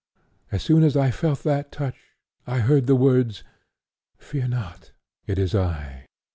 As soon as I felt that touch, I heard the words: "Fear not, it is I."